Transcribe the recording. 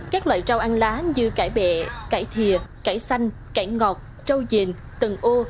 các loại rau ăn lá như cải bẹ cải thịa cải xanh cải ngọt rau dền tần ô